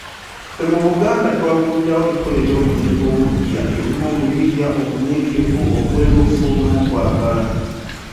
Ffe mu Buganda twagunjawo enkola ey'omulembe omuggya erimu obuyiiya, obunyiikivu, obwerufu, n'okwagala.